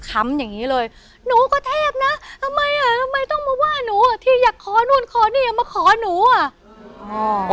วั้ยไม่ต้องมาว่าหนูอะที่อยากขอนู้นขอนี่มาขอนู้อะ